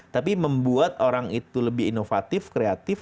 tapi membuat orang itu lebih inovatif kreatif